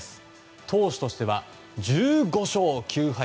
投手としては１５勝９敗。